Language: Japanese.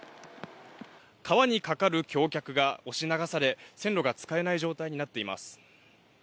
川に架かる橋脚が押し流され、線路が使えない状態になっています。